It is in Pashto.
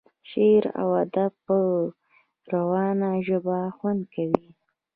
شعر او ادب په روانه ژبه خوند کوي.